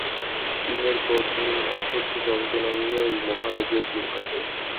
দিনের পর দিন অসহ্য যন্ত্রণা নিয়েই মহারাজের দিন কাটে।